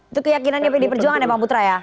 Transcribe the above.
itu keyakinannya pdi perjuangan ya pak putra ya